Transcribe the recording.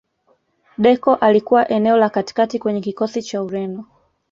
deco alikuwa eneo la katikati kwenye kikosi cha ureno